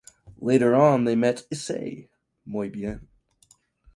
Later on they met Isay (Moi Bien).